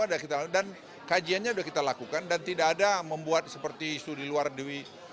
dan kajiannya sudah kita lakukan dan tidak ada membuat seperti studi luar duit